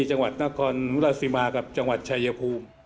จังหวัดนครศีมากับจังหวัดชายฺน์